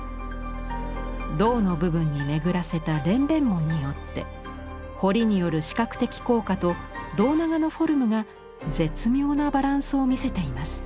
胴の部分に巡らせた蓮弁文によって彫りによる視覚的効果と胴長のフォルムが絶妙なバランスを見せています。